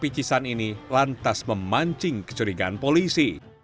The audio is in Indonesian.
ketika di kawasan ini lantas memancing kecurigaan polisi